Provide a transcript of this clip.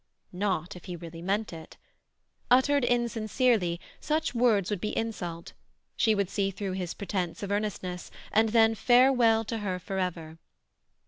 Not if he really meant it. Uttered insincerely, such words would be insult; she would see through his pretence of earnestness, and then farewell to her for ever.